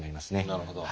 なるほど。